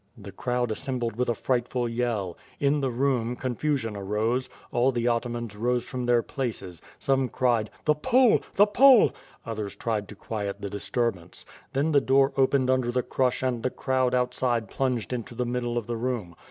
The crowd assembled with a frightful yell. In the room, confusion arose; all the atamans rose from their places; some cried "the Pole! the Pole!" Others tried to quiet the dis turbance. Then the door opened under the crush and the crowd outside plunged into the middle of the room.